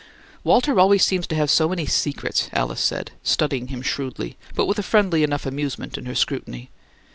"Walter always seems to have so many secrets!" Alice said, studying him shrewdly, but with a friendly enough amusement in her scrutiny.